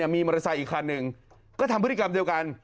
มีมรสัยอีกครั้งหนึ่งก็ทำพฤติกรรมเดียวกัน